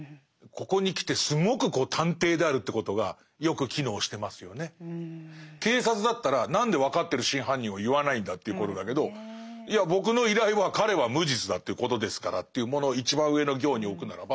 ここにきてすごく警察だったら何で分かってる真犯人を言わないんだっていうことだけどいや僕の依頼は彼は無実だということですからというものを一番上の行に置くならば。